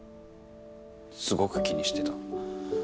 すごく気にしてた。